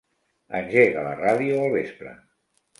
Engega la ràdio al vespre.